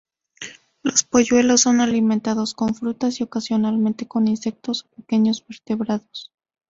Los polluelos son alimentados con frutas y ocasionalmente con insectos o pequeños vertebrados.